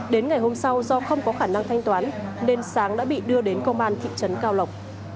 đến ngày hôm sau do không có khả năng thanh toán nên sáng đã bị đưa đến công an thị trấn cao lộc